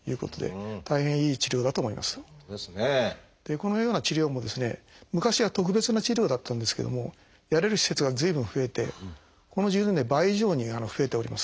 このような治療もですね昔は特別な治療だったんですけどもやれる施設が随分増えてこの１０年で倍以上に増えております。